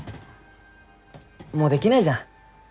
もうできないじゃん